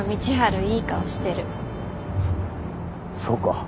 そうか？